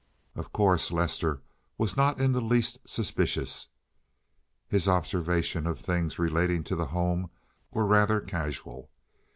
Of course Lester was not in the least suspicious. His observation of things relating to the home were rather casual.